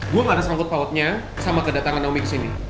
gue gak ada sangkut pautnya sama kedatangan naomi kesini